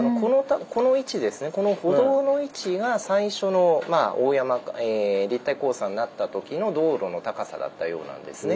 この歩道の位置が最初の立体交差になった時の道路の高さだったようなんですね。